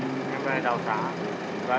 đúng địa chỉ đấy luôn ạ